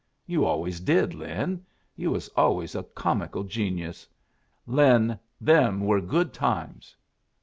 "You always did, Lin. You was always a comical genius. Lin, them were good times."